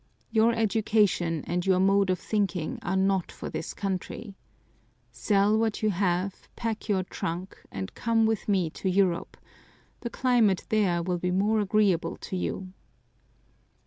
Your education and your mode of thinking are not for this country. Sell what you have, pack your trunk, and come with me to Europe; the climate there will be more agreeable to you."